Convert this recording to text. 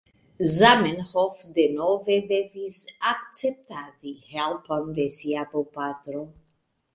Zamenhof denove devis akceptadi helpon de sia bopatro.